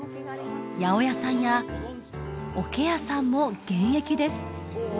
八百屋さんや桶屋さんも現役です